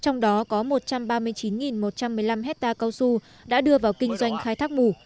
trong đó có một trăm ba mươi chín một trăm một mươi năm hectare cao su đã đưa vào kinh doanh khai thác mù